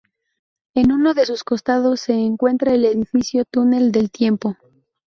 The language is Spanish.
En uno de sus costados se encuentra el edificio Túnel del Tiempo.